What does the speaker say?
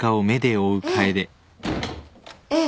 ええ。